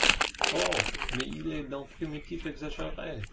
Oh ! mais il est d’un primitif exagéré !…